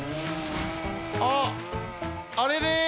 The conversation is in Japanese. あっあれれ！